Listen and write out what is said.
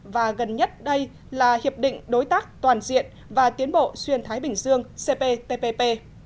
và gần nhất đây là hiệp định đối tác toàn diện và tiến bộ xuyên thái bình dương cptpp